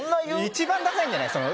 一番ダサいんじゃない？